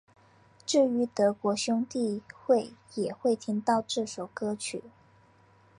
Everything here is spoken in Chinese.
至于德国兄弟会也会听到这首歌曲。